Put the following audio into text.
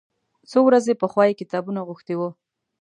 څو ورځې پخوا یې کتابونه غوښتي و.